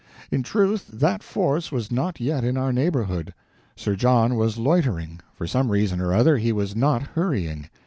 In truth, that force was not yet in our neighborhood. Sir John was loitering; for some reason or other he was not hurrying.